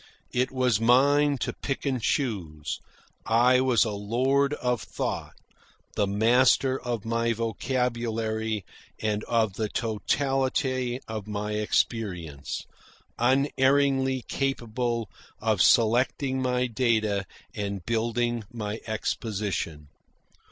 It was mine to pick and choose. I was a lord of thought, the master of my vocabulary and of the totality of my experience, unerringly capable of selecting my data and building my exposition.